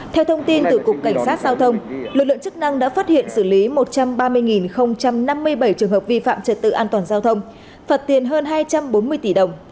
theo thông tin từ cục cảnh sát giao thông lực lượng chức năng đã phát hiện xử lý một trăm ba mươi năm mươi bảy trường hợp vi phạm trật tự an toàn giao thông